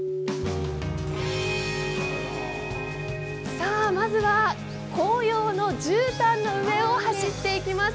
さあ、まずは紅葉のじゅうたんの上を走っていきます。